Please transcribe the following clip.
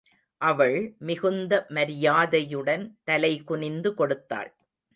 அவள், மிகுந்த மரியாதையுடன் தலை குனிந்து கொடுத்தாள்.